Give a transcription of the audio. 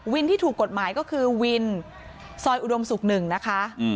ที่ถูกกฎหมายก็คือวินซอยอุดมศุกร์๑นะคะ